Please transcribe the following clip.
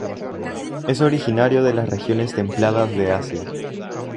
Es originario de las regiones templadas de asia.